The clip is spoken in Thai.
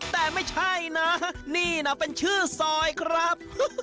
แต่ไม่ใช่นะนี่นะเป็นชื่อซอยครับ